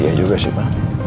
iya juga sih ma